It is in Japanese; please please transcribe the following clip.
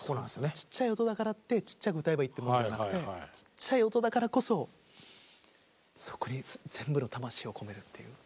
ちっちゃい音だからってちっちゃく歌えばいいってもんじゃなくてちっちゃい音だからこそそこに全部の魂を込めるっていう。